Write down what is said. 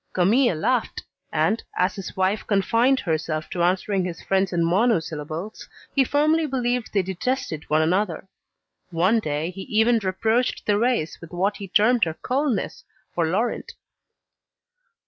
Camille laughed, and, as his wife confined herself to answering his friend in monosyllables, he firmly believed they detested one another. One day he even reproached Thérèse with what he termed her coldness for Laurent.